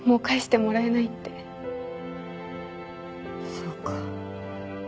そうか。